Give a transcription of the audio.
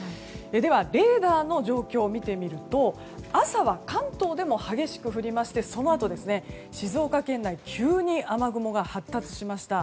ではレーダーの状況を見てみると朝は関東でも激しく降りましてそのあと、静岡県内急に雨雲が発達しました。